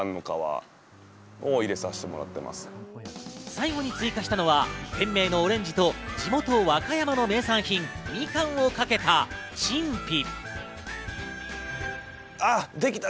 最後に追加したのは店名のＯｒａｎｇｅと地元・和歌山の名産品みかんをかけた陳皮。